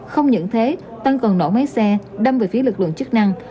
không những thế tân còn nổ máy xe đâm về phía lực lượng chức năng